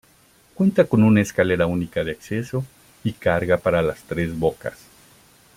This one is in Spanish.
Cuenta con una escalera única de acceso y carga para las tres bocas.